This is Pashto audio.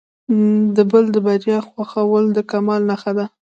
د بل د بریا خوښول د کمال نښه ده.